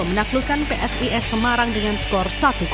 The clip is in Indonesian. menaklukkan psis semarang dengan skor satu